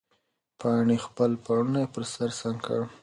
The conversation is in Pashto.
پاڼې خپل پړونی پر سر سم کړ.